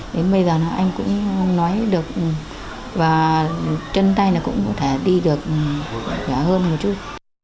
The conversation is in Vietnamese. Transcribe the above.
đến bây giờ anh cũng nói được và chân tay cũng có thể đi được khỏe hơn một chút